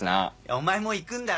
お前もいくんだろ。